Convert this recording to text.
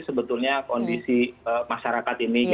sebetulnya kondisi masyarakat ini